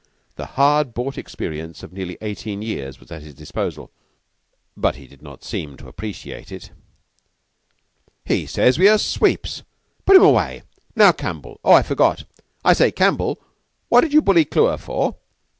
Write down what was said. The hard bought experience of nearly eighteen years was at his disposal, but he did not seem to appreciate it. "He says we are sweeps. Put him away! Now, Campbell! Oh, I forgot! I say, Campbell, what did you bully Clewer for?"